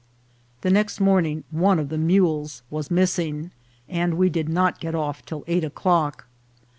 The next morning one of the mules was missing, and we did not get off till eight o'clock.